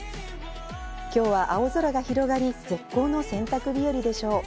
今日は青空が広がり、絶好の洗濯日和でしょう。